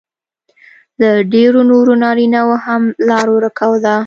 له ډېرو نورو نارینهو هم لار ورکه ده